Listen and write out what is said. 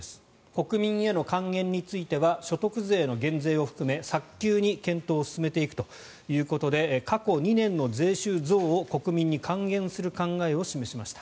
国民への還元については所得税の減税を含め早急に検討を進めていくということで過去２年の税収増を国民に還元する考えを示しました。